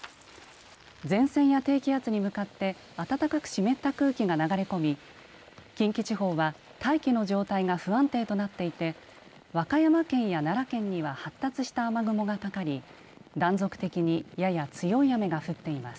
前線や低気圧に向かって暖かく湿った空気が流れ込み近畿地方は大気の状態が不安定となっていて和歌山県や奈良県には発達した雨雲がかかり断続的にやや強い雨が降っています。